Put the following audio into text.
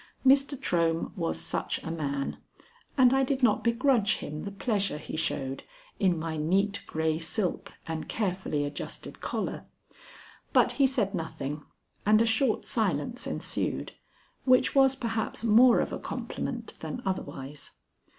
Mr. Trohm was such a man, and I did not begrudge him the pleasure he showed in my neat gray silk and carefully adjusted collar. But he said nothing, and a short silence ensued, which was perhaps more of a compliment than otherwise.